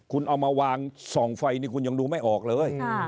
คุณเอามาวางส่องไฟนี่คุณยังดูไม่ออกเลย